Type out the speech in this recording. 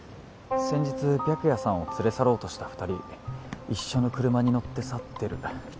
先日白夜さんを連れ去ろうとした２人一緒の車に乗って去ってる。